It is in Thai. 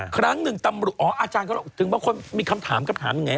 ครั้งหนึ่งตำรวจอ๋ออาจารย์เขาถึงบางคนมีคำถามคำถามยังไง